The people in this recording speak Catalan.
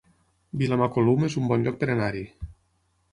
Vilamacolum es un bon lloc per anar-hi